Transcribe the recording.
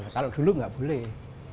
kalau dulu nggak boleh